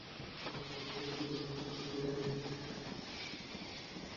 Saudi কর্তৃপক্ষ Mina দুর্ঘটনায় হতাহত হাজিদের সবার মরদেহের ছবি এখন পর্যন্ত প্রকাশ করেনি।